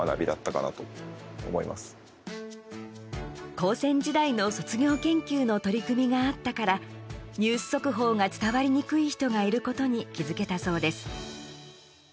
高専時代の卒業研究の取り組みがあったからニュース速報が伝わりにくい人がいることに気付けたそうです。